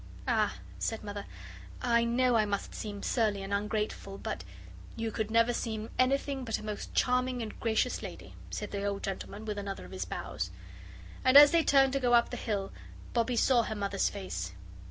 "Ah," said Mother, "I know I must seem surly and ungrateful but " "You could never seem anything but a most charming and gracious lady," said the old gentleman, with another of his bows. And as they turned to go up the hill, Bobbie saw her Mother's face.